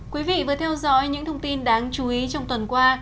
quý vị vừa theo dõi những thông tin đáng chú ý trong tuần qua